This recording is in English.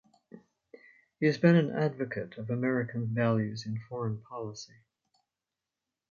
He has been an advocate of American values in foreign policy.